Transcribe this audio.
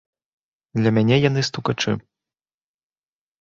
Для мяне яны стукачы.